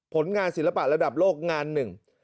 ผลงานศิลปะระดับโลกงานหนึ่ง